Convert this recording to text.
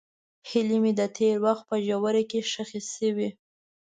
هیلې مې د تېر وخت په ژوره کې ښخې شوې.